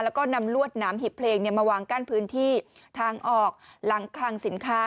แล้วก็นำลวดหนามหีบเพลงมาวางกั้นพื้นที่ทางออกหลังคลังสินค้า